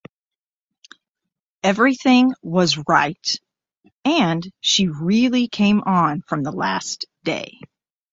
Everything was right and she really came on from the last day.